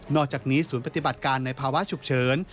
อกจากนี้ศูนย์ปฏิบัติการในภาวะฉุกเฉิน